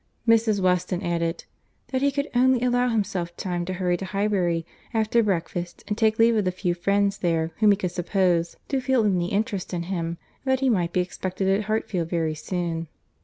Mrs. Weston added, "that he could only allow himself time to hurry to Highbury, after breakfast, and take leave of the few friends there whom he could suppose to feel any interest in him; and that he might be expected at Hartfield very soon."